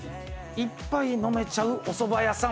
１杯飲めちゃうおそば屋さん。